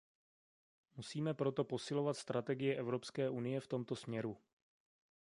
Musíme proto posilovat strategie Evropské unie v tomto směru.